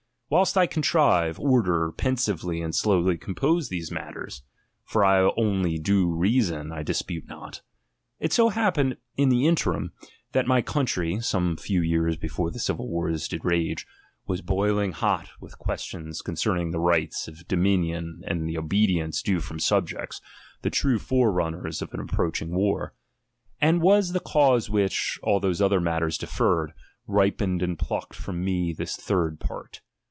Whilst I contrive, order, pensively and slowly compose these matters ; (for I only do reason, I dispute not) ; it so happened in the interim, that my country, some few years before the civil wars did rage, was boiling hot with questions concern ing the rights of dominion and the obedience due from subjects, the true forerunners of an approach ing war ; and was the cause which, all those other matters deferred, ripened and plucked from me this third part.